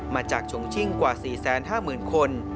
มาจากชงชิ่งกว่า๔๕๐๐๐คน